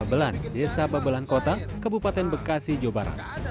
babelan desa babelan kota kebupaten bekasi jawa barat